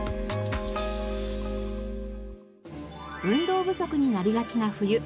運動不足になりがちな冬。